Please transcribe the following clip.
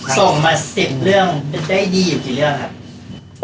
ส่งมา๑๐เรื่องจะได้ดีอยู่กี่เรื่องครับ